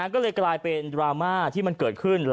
ก็เลยกลายเป็นดราม่าที่มันเกิดขึ้น